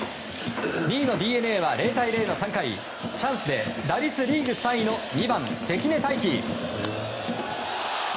２位のＤｅＮＡは０対０の３回チャンスで打率リーグ３位の２番、関根大気。